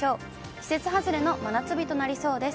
季節外れの真夏日となりそうです。